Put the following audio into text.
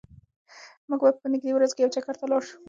موږ به په نږدې ورځو کې یو چکر ته لاړ شو.